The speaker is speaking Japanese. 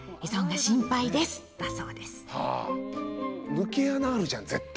抜け穴あるじゃん絶対。